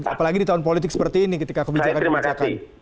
apalagi di tahun politik seperti ini ketika kebijakan dibacakan